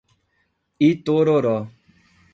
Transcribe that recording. Itororó